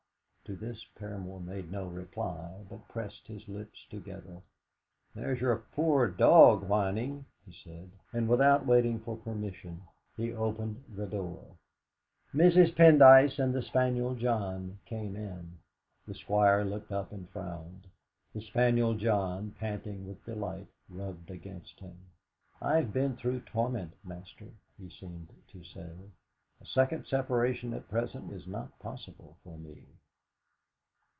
To this Mr. Paramor made no reply, but pressed his lips together. "There's your poor dog whining," he said. And without waiting for permission he opened the door. Mrs. Pendyce and the spaniel John came in. The Squire looked up and frowned. The spaniel John, panting with delight, rubbed against him. 'I have been through torment, master,' he seemed to say. 'A second separation at present is not possible for me!'